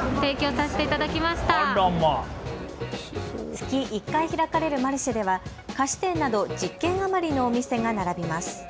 月１回開かれるマルシェでは菓子店など１０軒余りの店が並びます。